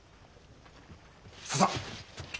ささっ。